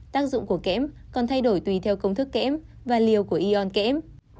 tác dụng của kém còn thay đổi tùy theo công thức kém và liều của ion kẽm